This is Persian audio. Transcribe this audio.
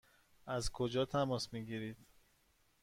از کجا تماس می گیرید؟